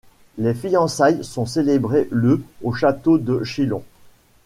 Les fiançailles sont célébrées le au château de Chillon.